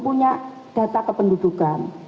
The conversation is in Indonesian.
punya data kependudukan